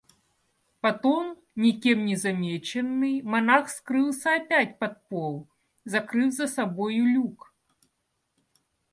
Потом, никем не замеченный, монах скрылся опять под пол, закрыв за собою люк.